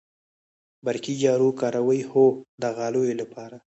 برقی جارو کاروئ؟ هو، د غالیو لپاره